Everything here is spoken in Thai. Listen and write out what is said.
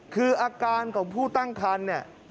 คืออาการของผู้ตั้งครรภ์